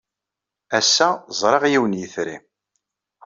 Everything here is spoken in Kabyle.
Ass-a, ẓriɣ yiwen n yitri.